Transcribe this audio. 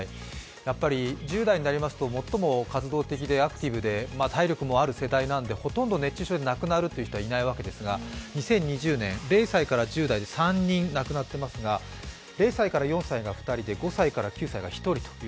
やっぱり１０代になりますと、最も活動的でアクティブで体力もある世代なんで、ほとんど熱中症で亡くなる人はいないわけですが２０２０年、０歳から１０代で３人亡くなっていますが、０歳から４歳が２人で５歳から９歳が１人と。